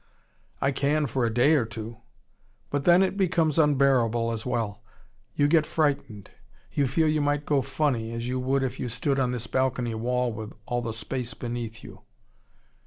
I can for a day or two But then, it becomes unbearable as well. You get frightened. You feel you might go funny as you would if you stood on this balcony wall with all the space beneath you."